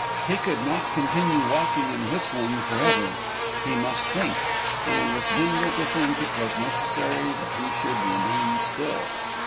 He could not continue walking and whistling for ever. He must think; and with Bindle to think it was necessary that he should remain still.